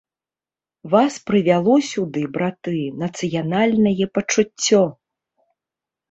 Вас прывяло сюды, браты, нацыянальнае пачуццё.